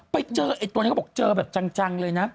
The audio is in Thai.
ไปเจอไอ้ตัวนี้เขาบอกเจอแบบจังเลยนะ